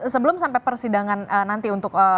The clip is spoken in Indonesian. sebelum sampai persidangan nanti untuk